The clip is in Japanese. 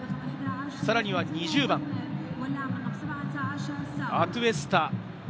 さらには２０番・アトゥエスタ。